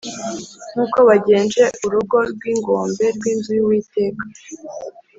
nk’uko bagenje urugo rw’ingombe rw’inzu y’Uwiteka